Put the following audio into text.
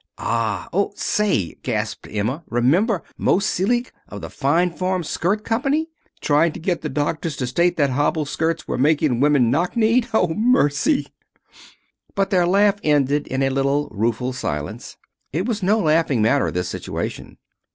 "And, oh, say!" gasped Emma, "remember Moe Selig, of the Fine Form Skirt Company, trying to get the doctors to state that hobble skirts were making women knock kneed! Oh, mercy!" But their laugh ended in a little rueful silence. It was no laughing matter, this situation.